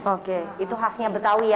oke itu khasnya betawi ya